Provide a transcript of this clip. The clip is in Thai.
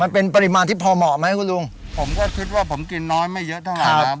ปริมาณที่พอเหมาะไหมคุณลุงผมก็คิดว่าผมกินน้อยไม่เยอะเท่าไหร่ครับ